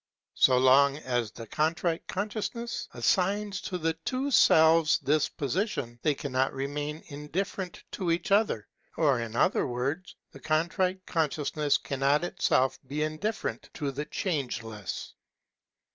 So long as the Contrite Consciousness assigns to the two selves this position, they cannot remain indifferent to each other; or, in other words, the Contrite Consciousness cannot itself be indifferent to the Changeless.